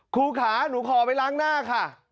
ครูขาหนูขอไปล้างหน้าค่ะ